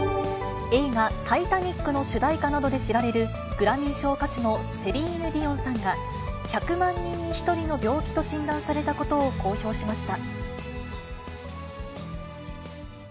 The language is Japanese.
映画、タイタニックの主題歌などで知られるグラミー賞歌手のセリーヌ・ディオンさんが、１００万人に１人の病気と診断されたことを公表しました。